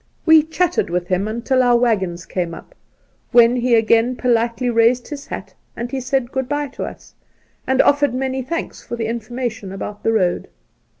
We chatted with him untU our Soltke 37 waggons came up, when he again politely raised his hat as he said good bye to us, and offered many thanks for the information about the road.